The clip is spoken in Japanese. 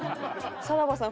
さらばさん